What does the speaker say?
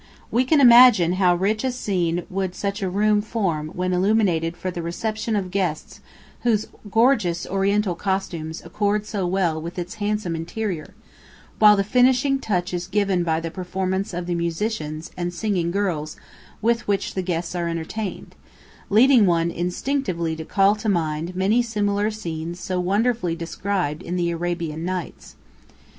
We can imagine how rich a scene such a room would form when illuminated for the reception of guests whose gorgeous Oriental costumes accord so well with its handsome interior, while the finishing touch is given by the performance of the musicians and singing girls with which the guests are entertained, leading one instinctively to call to mind many similar scenes so wonderfully described in the "Arabian Nights."